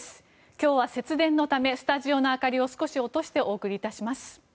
今日は節電のためスタジオの明かりを少し落としてお送り致します。